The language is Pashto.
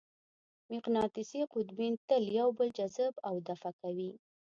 مقناطیسي قطبین تل یو بل جذب او دفع کوي.